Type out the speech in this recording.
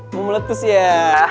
mau meletus ya